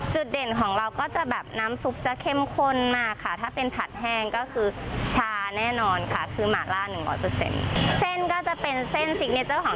จุดเด่นของเราก็จะแบบน้ำซุปจะเข้มข้นมากค่ะถ้าเป็นผัดแห้งก็คือชาน่ะแน่นอนค่ะคือหมาล่าหนึ่งร้อนเปอร์เซ็นส์